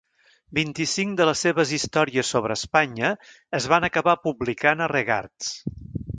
Vint-i-cinc de les seves històries sobre Espanya es van acabar publicant a Regards.